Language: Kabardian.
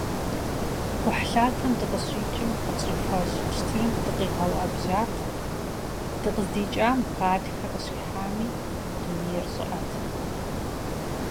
Кхъухьлъатэм дыкъыщикӀым къытщӏихуа жьы пщтырым дыкъигъэуӏэбжьат, дыкъыздикӏам гъатхэ къыщихьами, дунейр щӏыӏэт.